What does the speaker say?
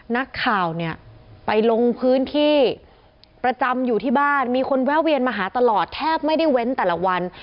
นักข่าวเนี่ยไปลงพื้นที่ประจำอยู่ที่บ้านมีคนแวะเวียนมาหาตลอดแทบไม่ได้เว้นแต่ละวัน